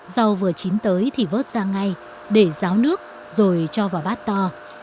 rau vừa chín tới thì vớt ra ngay để ráo nước rồi cho vào bát to